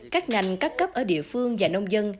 các ngành các cấp ở địa phương và nông dân